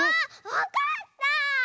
わかった！